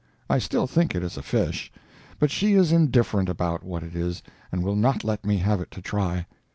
I still think it is a fish, but she is indifferent about what it is, and will not let me have it to try.